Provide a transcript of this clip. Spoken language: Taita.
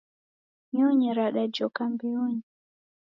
Nyonyi radajoka mbeonyi.